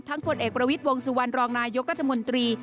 ผลเอกประวิทย์วงสุวรรณรองนายกรัฐมนตรี